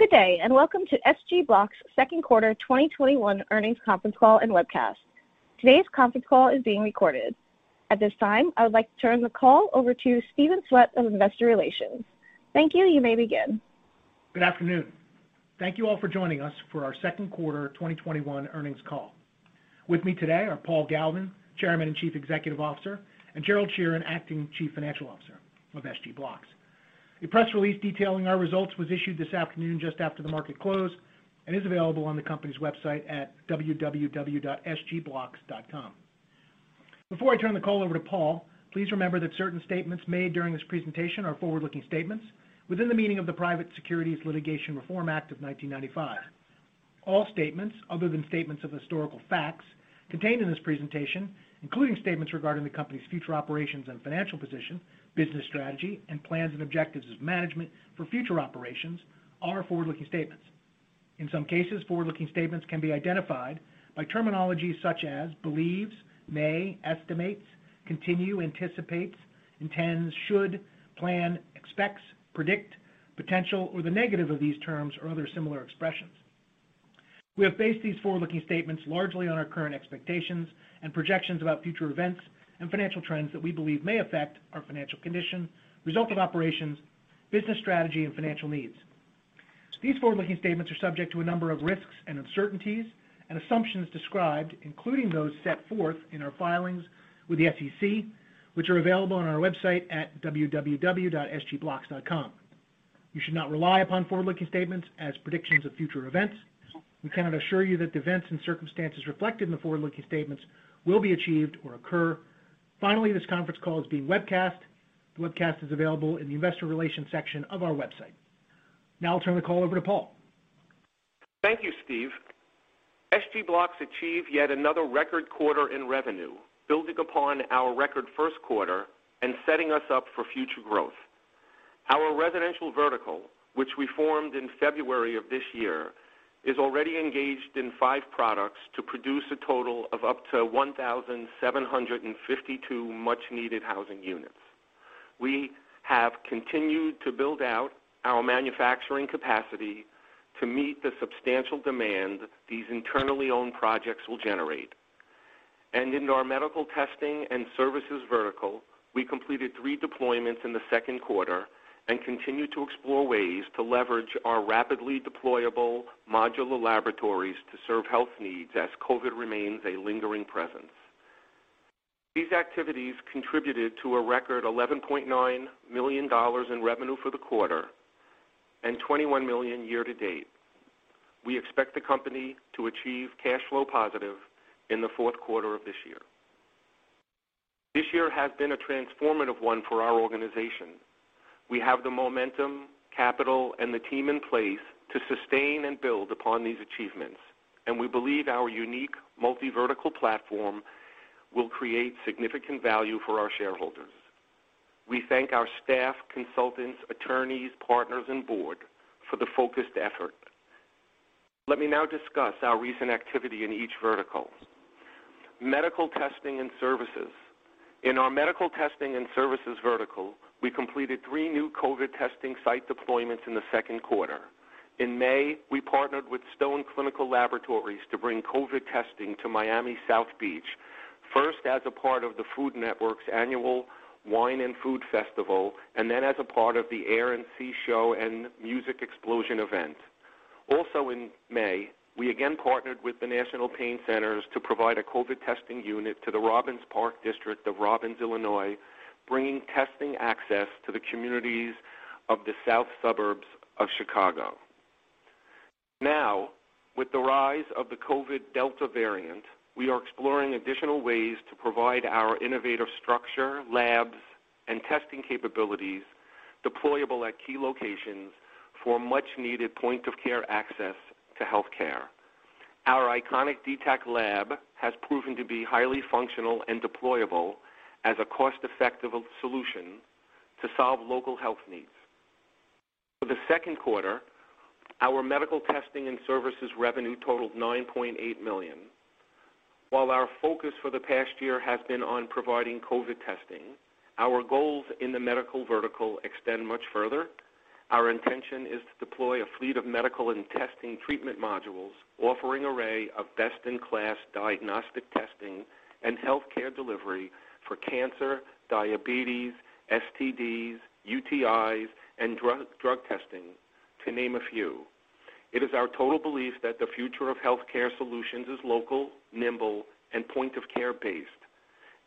Good day, and welcome to SG Blocks Q2 2021 earnings conference call and webcast. Today's conference call is being recorded. At this time, I would like to turn the call over to Stephen Swett of Investor Relations. Thank you. You may begin. Good afternoon. Thank you all for joining us for our second quarter 2021 earnings call. With me today are Paul Galvin, Chairman and Chief Executive Officer, and Gerald Sheeran, Acting Chief Financial Officer of SG Blocks. A press release detailing our results was issued this afternoon just after the market closed and is available on the company's website at www.sgblocks.com. Before I turn the call over to Paul, please remember that certain statements made during this presentation are forward-looking statements within the meaning of the Private Securities Litigation Reform Act of 1995. All statements other than statements of historical facts contained in this presentation, including statements regarding the company's future operations and financial position, business strategy, and plans and objectives of management for future operations, are forward-looking statements. In some cases, forward-looking statements can be identified by terminology such as believes, may, estimates, continue, anticipates, intends, should, plan, expects, predict, potential, or the negative of these terms or other similar expressions. We have based these forward-looking statements largely on our current expectations and projections about future events and financial trends that we believe may affect our financial condition, results of operations, business strategy, and financial needs. These forward-looking statements are subject to a number of risks and uncertainties and assumptions described, including those set forth in our filings with the SEC, which are available on our website at www.sgblocks.com. You should not rely upon forward-looking statements as predictions of future events. We cannot assure you that the events and circumstances reflected in the forward-looking statements will be achieved or occur. Finally, this conference call is being webcast. The webcast is available in the investor relations section of our website. Now I'll turn the call over to Paul. Thank you, Steve. SG Blocks achieved yet another record quarter in revenue, building upon our record first quarter and setting us up for future growth. Our residential vertical, which we formed in February of this year, is already engaged in five products to produce a total of up to 1,752 much-needed housing units. We have continued to build out our manufacturing capacity to meet the substantial demand these internally owned projects will generate. In our medical testing and services vertical, we completed three deployments in the second quarter and continue to explore ways to leverage our rapidly deployable modular laboratories to serve health needs as COVID remains a lingering presence. These activities contributed to a record $11.9 million in revenue for the quarter and $21 million year-to-date. We expect the company to achieve cash flow positive in the fourth quarter of this year. This year has been a transformative one for our organization. We have the momentum, capital, and the team in place to sustain and build upon these achievements, and we believe our unique multi-vertical platform will create significant value for our shareholders. We thank our staff, consultants, attorneys, partners, and board for the focused effort. Let me now discuss our recent activity in each vertical. Medical testing and services. In our medical testing and services vertical, we completed three new COVID testing site deployments in the second quarter. In May, we partnered with Stone Clinical Laboratories to bring COVID testing to Miami South Beach, first as a part of the Food Network's annual Wine and Food Festival, and then as a part of the Air and Sea Show and Music Explosion event. Also in May, we again partnered with the National Pain Centers to provide a COVID testing unit to the Robbins Park District of Robbins, Illinois, bringing testing access to the communities of the south suburbs of Chicago. Now, with the rise of the COVID Delta variant, we are exploring additional ways to provide our innovative structure, labs, and testing capabilities deployable at key locations for much needed point-of-care access to healthcare. Our iconic D-TEC lab has proven to be highly functional and deployable as a cost-effective solution to solve local health needs. For the second quarter, our medical testing and services revenue totaled $9.8 million. While our focus for the past year has been on providing COVID testing, our goals in the medical vertical extend much further. Our intention is to deploy a fleet of medical and testing treatment modules offering array of best-in-class diagnostic testing and healthcare delivery for cancer, diabetes, STDs, UTIs, and drug testing, to name a few. It is our total belief that the future of healthcare solutions is local, nimble, and point-of-care based,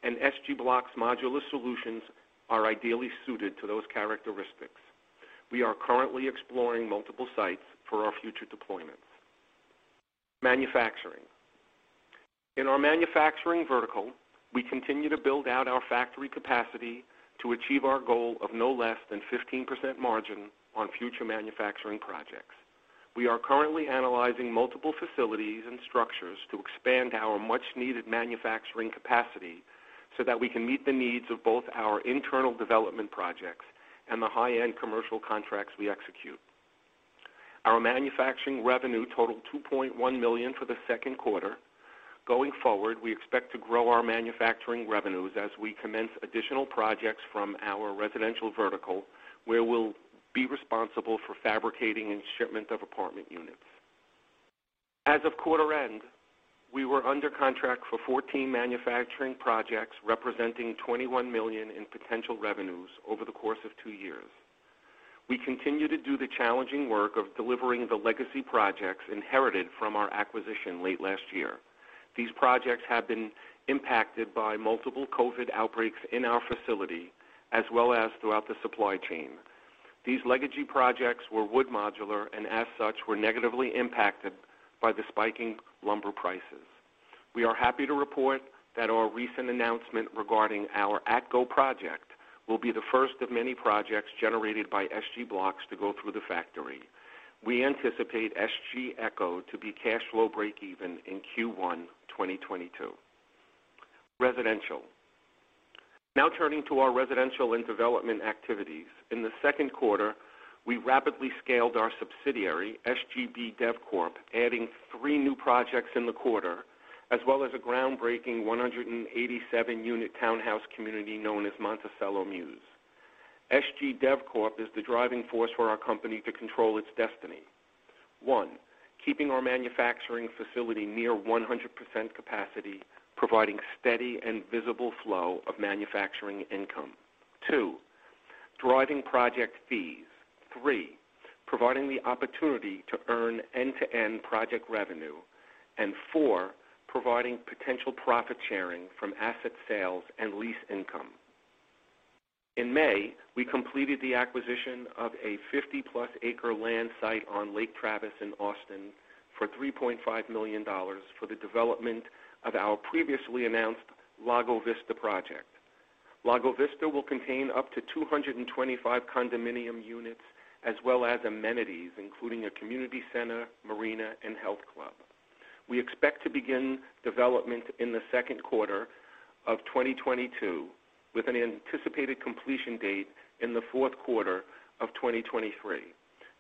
and SG Blocks modular solutions are ideally suited to those characteristics. We are currently exploring multiple sites for our future deployments. Manufacturing. In our manufacturing vertical, we continue to build out our factory capacity to achieve our goal of no less than 15% margin on future manufacturing projects. We are currently analyzing multiple facilities and structures to expand our much-needed manufacturing capacity so that we can meet the needs of both our internal development projects and the high-end commercial contracts we execute. Our manufacturing revenue totaled $2.1 million for the second quarter. Going forward, we expect to grow our manufacturing revenues as we commence additional projects from our residential vertical, where we'll be responsible for fabricating and shipment of apartment units. As of quarter end, we were under contract for 14 manufacturing projects, representing $21 million in potential revenues over the course of two years. We continue to do the challenging work of delivering the legacy projects inherited from our acquisition late last year. These projects have been impacted by multiple COVID outbreaks in our facility, as well as throughout the supply chain. These legacy projects were wood modular, and as such, were negatively impacted by the spiking lumber prices. We are happy to report that our recent announcement regarding our Echo project will be the first of many projects generated by SG Blocks to go through the factory. We anticipate SG Echo to be cash flow breakeven in Q1 2022. Residential. Turning to our residential and development activities. In the second quarter, we rapidly scaled our subsidiary, SGB DevCorp, adding three new projects in the quarter, as well as a groundbreaking 187-unit townhouse community known as Monticello Mews. SGB DevCorp is the driving force for our company to control its destiny. One, keeping our manufacturing facility near 100% capacity, providing steady and visible flow of manufacturing income. Two, driving project fees. Three, providing the opportunity to earn end-to-end project revenue. Four, providing potential profit sharing from asset sales and lease income. In May, we completed the acquisition of a 50+ acre land site on Lake Travis in Austin for $3.5 million for the development of our previously announced Lago Vista project. Lago Vista will contain up to 225 condominium units as well as amenities, including a community center, marina, and health club. We expect to begin development in the second quarter of 2022, with an anticipated completion date in the fourth quarter of 2023.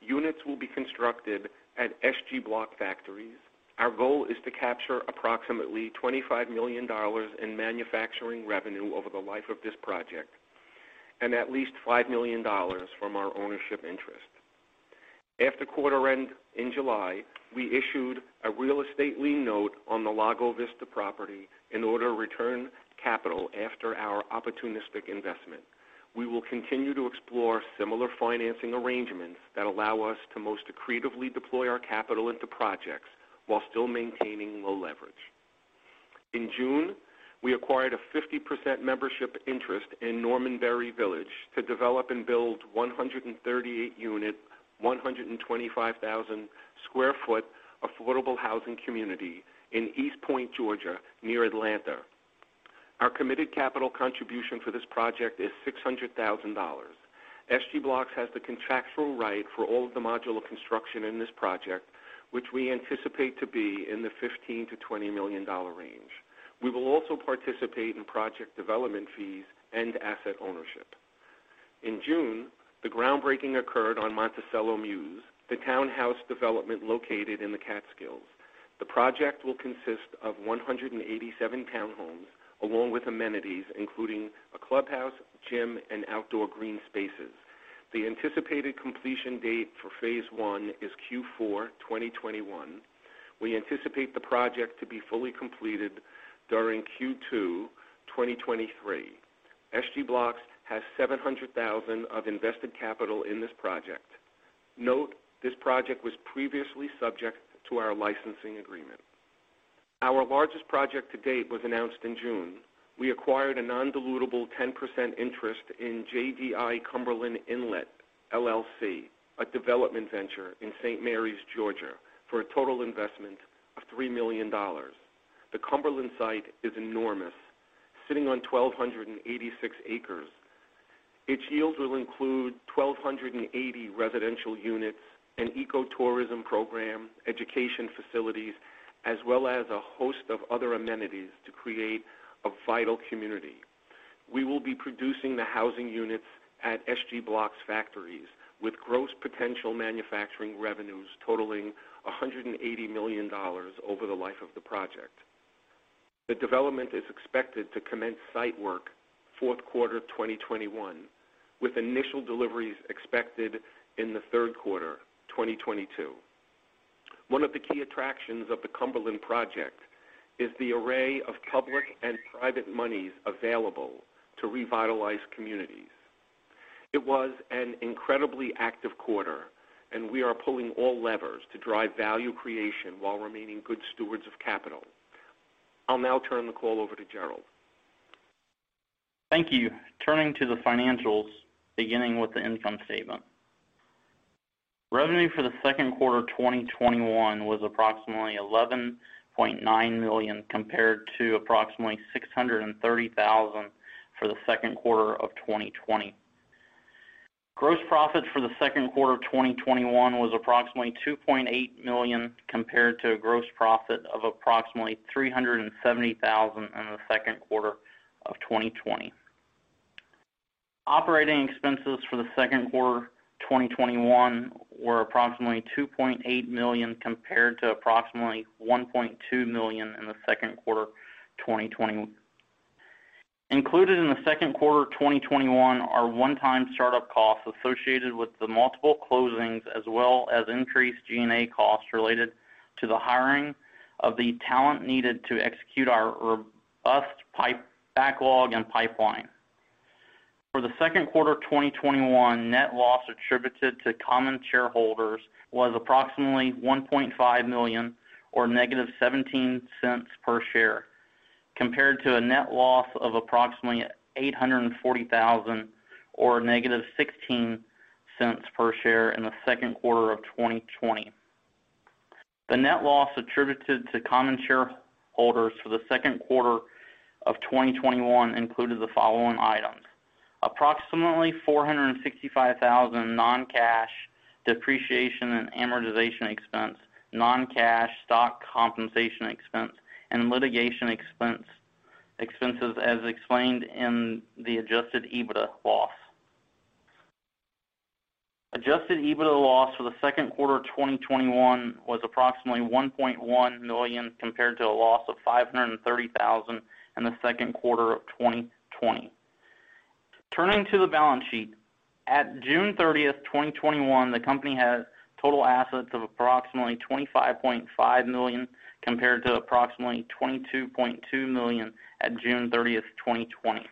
Units will be constructed at SG Blocks factories. Our goal is to capture approximately $25 million in manufacturing revenue over the life of this project, and at least $5 million from our ownership interest. After quarter end in July, we issued a real estate lien note on the Lago Vista property in order to return capital after our opportunistic investment. We will continue to explore similar financing arrangements that allow us to most accretively deploy our capital into projects while still maintaining low leverage. In June, we acquired a 50% membership interest in Norman Berry Village to develop and build 138-unit, 125,000 sq ft affordable housing community in East Point, Georgia, near Atlanta. Our committed capital contribution for this project is $600,000. SG Blocks has the contractual right for all of the modular construction in this project, which we anticipate to be in the $15 million-$20 million range. We will also participate in project development fees and asset ownership. In June, the groundbreaking occurred on Monticello Mews, the townhouse development located in the Catskills. The project will consist of 187 townhomes, along with amenities including a clubhouse, gym, and outdoor green spaces. The anticipated completion date for phase I is Q4 2021. We anticipate the project to be fully completed during Q2 2023. SG Blocks has $700,000 of invested capital in this project. Note, this project was previously subject to our licensing agreement. Our largest project to date was announced in June. We acquired a non-dilutable 10% interest in JDI-Cumberland Inlet, LLC, a development venture in St. Marys, Georgia, for a total investment of $3 million. The Cumberland site is enormous, sitting on 1,286 acres. Its yields will include 1,280 residential units, an ecotourism program, education facilities, as well as a host of other amenities to create a vital community. We will be producing the housing units at SG Blocks factories, with gross potential manufacturing revenues totaling $180 million over the life of the project. The development is expected to commence site work fourth quarter 2021, with initial deliveries expected in the third quarter 2022. One of the key attractions of the Cumberland project is the array of public and private monies available to revitalize communities. It was an incredibly active quarter, and we are pulling all levers to drive value creation while remaining good stewards of capital. I'll now turn the call over to Gerald. Thank you. Turning to the financials, beginning with the income statement. Revenue for the second quarter 2021 was approximately $11.9 million compared to approximately $630,000 for the second quarter of 2020. Gross profit for the second quarter of 2021 was approximately $2.8 million compared to a gross profit of approximately $370,000 in the second quarter of 2020. Operating expenses for the second quarter 2021 were approximately $2.8 million, compared to approximately $1.2 million in the second quarter 2020. Included in the second quarter 2021 are one-time start-up costs associated with the multiple closings, as well as increased G&A costs related to the hiring of the talent needed to execute our robust pipe backlog and pipeline. For the second quarter of 2021, net loss attributed to common shareholders was approximately $1.5 million, or -$0.17 per share, compared to a net loss of approximately $840,000, or -$0.16 per share in the second quarter of 2020. The net loss attributed to common shareholders for the second quarter of 2021 included the following items. Approximately $465,000 non-cash depreciation and amortization expense, non-cash stock compensation expense, and litigation expenses as explained in the adjusted EBITDA loss. Adjusted EBITDA loss for the second quarter of 2021 was approximately $1.1 million compared to a loss of $530,000 in the second quarter of 2020. Turning to the balance sheet, at June 30th, 2021, the company had total assets of approximately $25.5 million, compared to approximately $22.2 million at June 30th, 2020.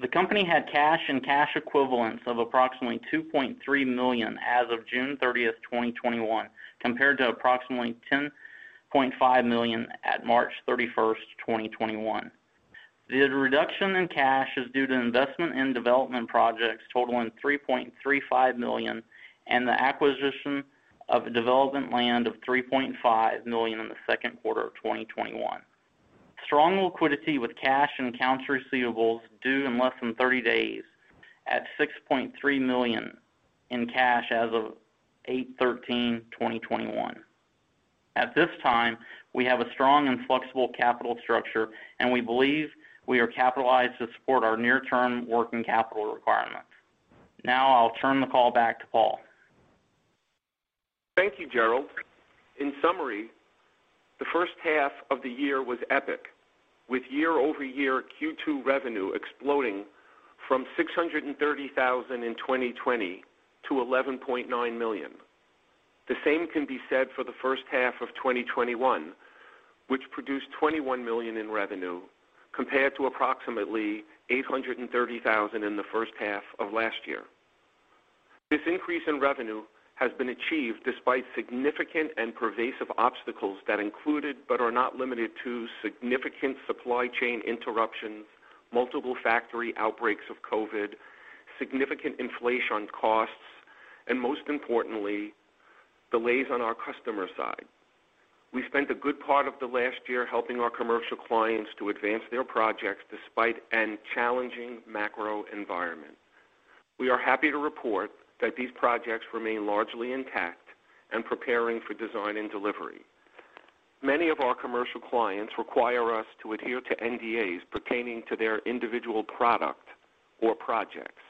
The company had cash and cash equivalents of approximately $2.3 million as of June 30th, 2021, compared to approximately $10.5 million at March 31st, 2021. The reduction in cash is due to investment in development projects totaling $3.35 million and the acquisition of development land of $3.5 million in the second quarter of 2021. Strong liquidity with cash and accounts receivables due in less than 30 days at $6.3 million in cash as of 08/13/2021. At this time, we have a strong and flexible capital structure, and we believe we are capitalized to support our near-term working capital requirements. Now I'll turn the call back to Paul. Thank you, Gerald. In summary, the first half of the year was epic. With year-over-year Q2 revenue exploding from $630,000 in 2020 to $11.9 million. The same can be said for the first half of 2021, which produced $21 million in revenue compared to approximately $830,000 in the first half of last year. This increase in revenue has been achieved despite significant and pervasive obstacles that included, but are not limited to, significant supply chain interruptions, multiple factory outbreaks of COVID, significant inflation on costs, and most importantly, delays on our customer side. We spent a good part of the last year helping our commercial clients to advance their projects despite a challenging macro environment. We are happy to report that these projects remain largely intact and preparing for design and delivery. Many of our commercial clients require us to adhere to NDAs pertaining to their individual product or projects.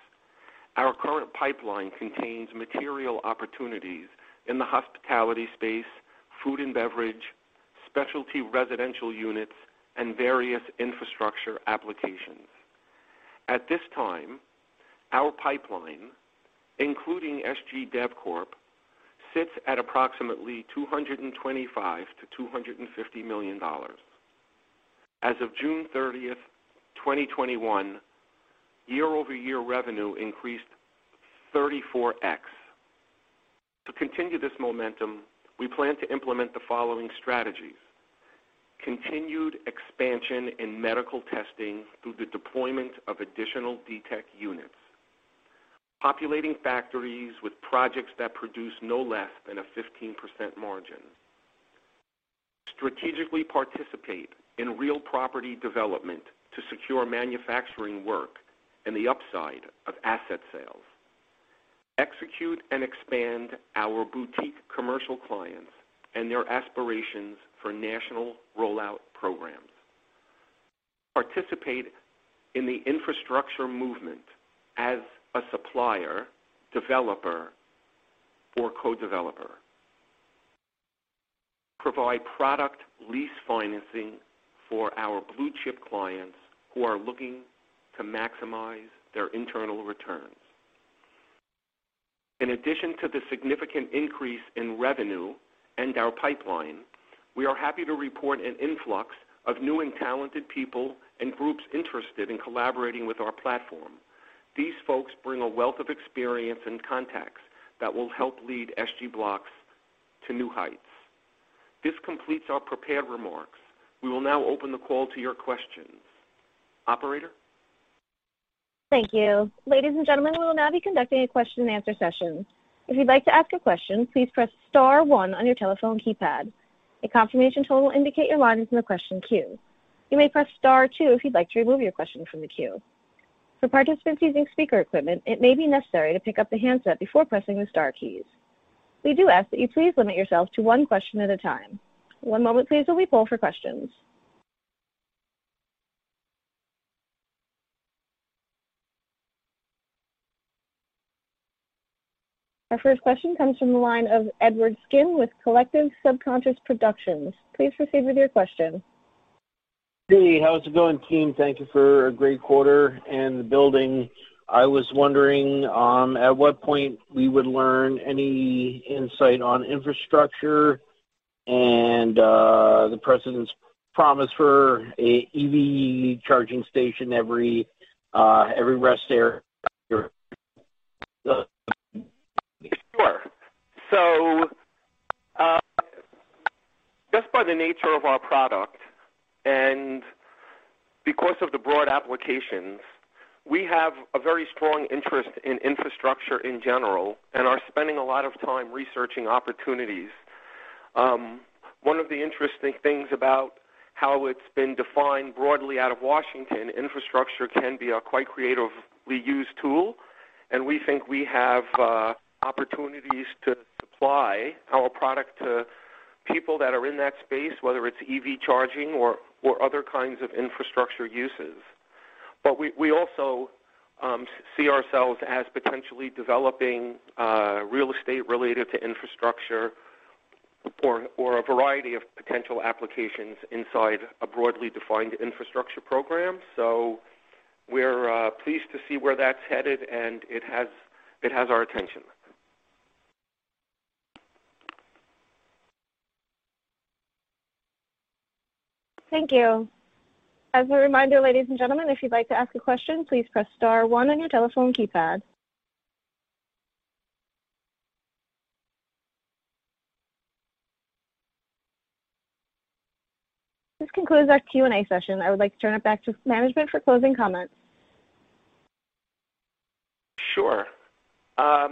Our current pipeline contains material opportunities in the hospitality space, food and beverage, specialty residential units, and various infrastructure applications. At this time, our pipeline, including SGB DevCorp, sits at approximately $225 million-$250 million. As of June 30th, 2021, year-over-year revenue increased 34x. To continue this momentum, we plan to implement the following strategies. Continued expansion in medical testing through the deployment of additional D-TEC units. Populating factories with projects that produce no less than a 15% margin. Strategically participate in real property development to secure manufacturing work and the upside of asset sales. Execute and expand our boutique commercial clients and their aspirations for national rollout programs. Participate in the infrastructure movement as a supplier, developer, or co-developer. Provide product lease financing for our blue-chip clients who are looking to maximize their internal returns. In addition to the significant increase in revenue and our pipeline, we are happy to report an influx of new and talented people and groups interested in collaborating with our platform. These folks bring a wealth of experience and contacts that will help lead SG Blocks to new heights. This completes our prepared remarks. We will now open the call to your questions. Operator? Thank you. Ladies and gentlemen, we will now be conducting a question-and-answer session. If you'd like to ask a question, please press star one on your telephone keypad. A confirmation tone will indicate your line is in the question queue. You may press star two if you'd like to remove your question from the queue. For participants using speaker equipment, it may be necessary to pick up the handset before pressing the star keys. We do ask that you please limit yourself to one question at a time. One moment please while we poll for questions. Our first question comes from the line of Edward [Skim] with Collective Subconscious Productions. Please proceed with your question. Hey, how's it going, team? Thank you for a great quarter and the building. I was wondering at what point we would learn any insight on infrastructure and the president's promise for an EV charging station every rest. Just by the nature of our product and because of the broad applications, we have a very strong interest in infrastructure in general and are spending a lot of time researching opportunities. One of the interesting things about how it's been defined broadly out of Washington, infrastructure can be a quite creatively used tool, and we think we have opportunities to supply our product to people that are in that space, whether it's EV charging or other kinds of infrastructure uses. We also see ourselves as potentially developing real estate related to infrastructure or a variety of potential applications inside a broadly defined infrastructure program. We're pleased to see where that's headed, and it has our attention. Thank you. As a reminder, ladies and gentlemen, if you'd like to ask a question, please press star one on your telephone keypad. This concludes our Q&A session. I would like to turn it back to management for closing comments. Sure. I'd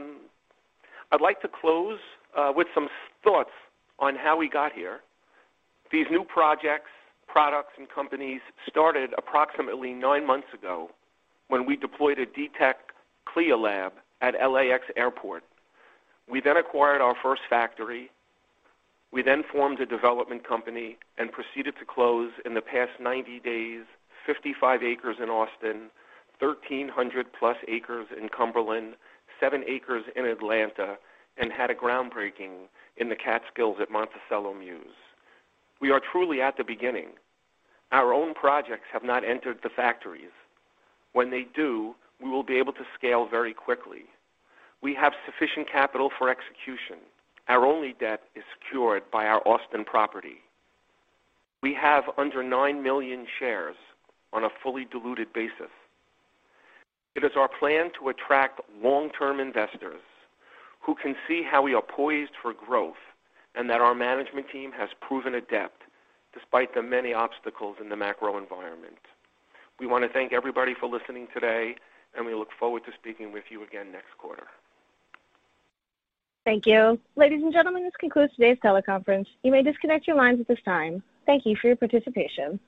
like to close with some thoughts on how we got here. These new projects, products, and companies started approximately nine months ago when we deployed a D-TEC CLIA lab at LAX Airport. We acquired our first factory. We formed a development company and proceeded to close in the past 90 days, 55 acres in Austin, 1,300+ acres in Cumberland, 7 acres in Atlanta, and had a groundbreaking in the Catskills at Monticello Mews. We are truly at the beginning. Our own projects have not entered the factories. When they do, we will be able to scale very quickly. We have sufficient capital for execution. Our only debt is secured by our Austin property. We have under 9 million shares on a fully diluted basis. It is our plan to attract long-term investors who can see how we are poised for growth and that our management team has proven adept despite the many obstacles in the macro environment. We want to thank everybody for listening today, and we look forward to speaking with you again next quarter. Thank you. Ladies and gentlemen, this concludes today's teleconference. You may disconnect your lines at this time. Thank you for your participation.